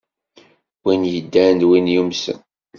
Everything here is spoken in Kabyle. Win yeddan d win yumsen.